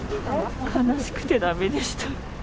悲しくてだめでした。